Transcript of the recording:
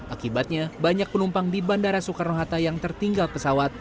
akibatnya banyak penumpang di bandara soekarno hatta yang tertinggal pesawat